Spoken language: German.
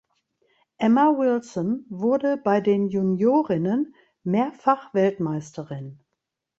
Emma Wilson wurde bei den Juniorinnen mehrfach Weltmeisterin.